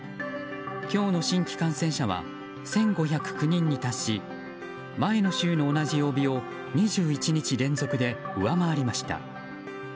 今日の新規感染者は１５０９人に達し前の週の同じ曜日を２１日連続で上回りました。